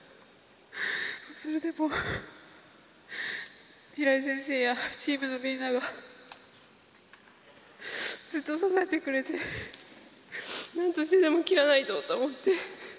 それでも平井先生やチームのみんながずっと支えてくれてなんとしてでも切らないとと思って。